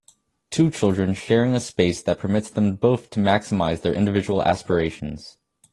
Two children sharing a space that permits them both to maximize their individual aspirations